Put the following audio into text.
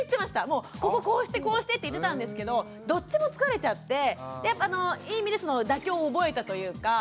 もうこここうしてこうしてって言ってたんですけどどっちも疲れちゃっていい意味で妥協を覚えたというか。